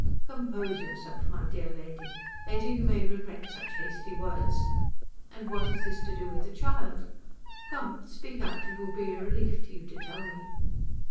"Compose yourself, my dear lady. Later you may regret such hasty words. And what has this to do with the child? Come, speak out. It will be a relief to you to tell me."